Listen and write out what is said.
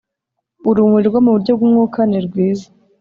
Urumuri rwo mu buryo bw umwuka nirwiza